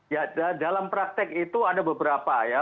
ya dalam praktek itu ada beberapa ya